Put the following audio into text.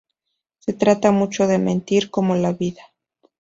Se trata mucho de mentir, como la vida.